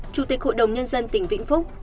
chủ tịch hội đồng nhân dân tỉnh vĩnh phúc